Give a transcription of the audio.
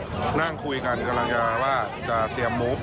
ก็นั่งคุยกันกำลังจะว่าจะเตรียมมุฟ